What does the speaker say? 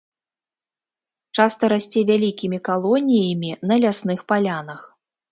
Часта расце вялікімі калоніямі на лясных палянах.